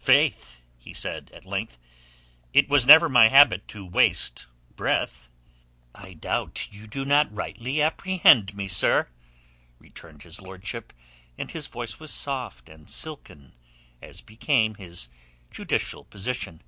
"Faith!" he said at length. "It was never my habit to waste breath." "I doubt you do not rightly apprehend me, sir," returned his lordship, and his voice was soft and silken as became his judicial position.